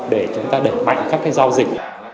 để chúng ta đẩy mạnh các giao dịch